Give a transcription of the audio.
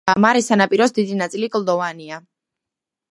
მარეს სანაპიროს დიდი ნაწილი კლდოვანია.